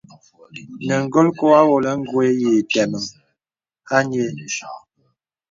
Nə̀ golkō awōlə̀ gwe yǐtə̄meŋ a nyēē.